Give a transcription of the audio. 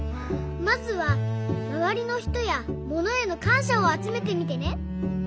まずはまわりのひとやものへのかんしゃをあつめてみてね。